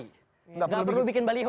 enggak perlu bikin baliho